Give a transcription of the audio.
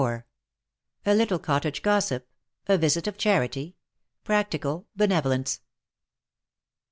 A LITTLE COTTAGE GOSSIP A VISIT OF CHARITY PRACTICAL BENEVOLENCE.